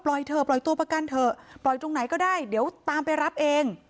เถอะปล่อยตัวประกันเถอะปล่อยตรงไหนก็ได้เดี๋ยวตามไปรับเอง